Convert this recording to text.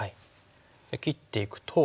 切っていくと。